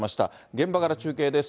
現場から中継です。